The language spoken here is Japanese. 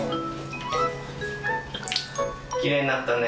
きれいになったね。